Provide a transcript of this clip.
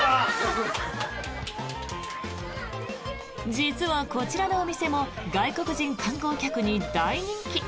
実は、こちらのお店も外国人観光客に大人気。